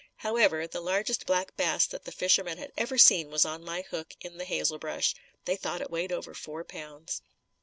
However, the largest black bass that the fishermen had ever seen was on my hook in the hazel brush. They thought it weighed over four pounds.